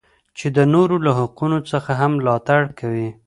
چې د نورو له حقوقو څخه هم ملاتړ کوي.